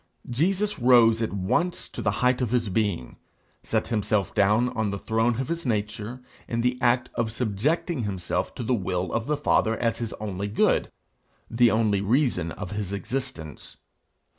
Jesus rose at once to the height of his being, set himself down on the throne of his nature, in the act of subjecting himself to the will of the Father as his only good, the only reason of his existence.